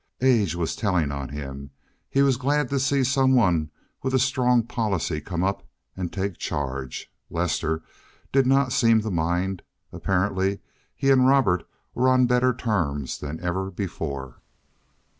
Age was telling on him. He was glad to see some one with a strong policy come up and take charge. Lester did not seem to mind. Apparently he and Robert were on better terms than ever before.